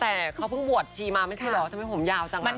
แต่เขาเพิ่งบวชชีมาไม่ใช่เหรอทำไมผมยาวจัง